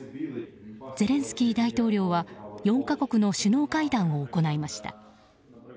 ゼレンスキー大統領は４か国の首脳会談を行いました。